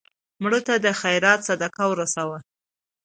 مړه ته د خیرات صدقه ورسوه